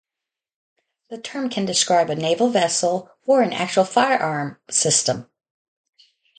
The term can describe a naval vessel, or an actual firearm system.